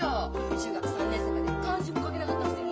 中学３年生まで漢字も書けなかったくせに！